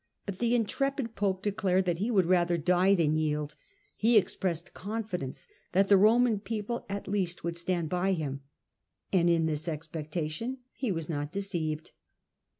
But the intrepid pope declared that he would rather die than yield; he expressed confidence thatlbhe Roman people, at least, would stand by him ; and in this expectation he was not deceived.